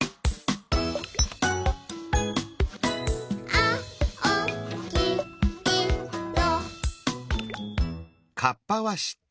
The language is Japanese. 「あおきいろ」